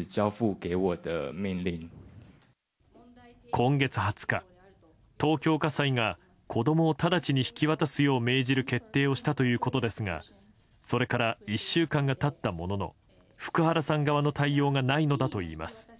今月２０日、東京家裁が子供を直ちに引き渡すよう命じる決定をしたということですがそれから１週間が経ったものの福原さん側の対応がないのだといいます。